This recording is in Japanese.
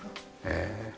へえ。